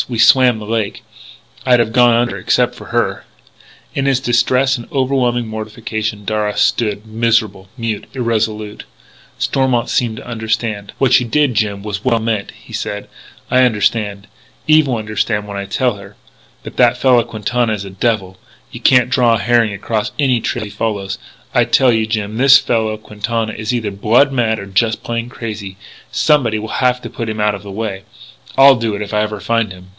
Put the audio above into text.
We swam the lake.... I'd have gone under except for her " In his distress and overwhelming mortification, Darragh stood miserable, mute, irresolute. Stormont seemed to understand: "What you did, Jim, was well meant," he said. "I understand. Eve will understand when I tell her. But that fellow Quintana is a devil. You can't draw a herring across any trail he follows. I tell you, Jim, this fellow Quintana is either blood mad or just plain crazy. Somebody will have to put him out of the way. I'll do it if I ever find him."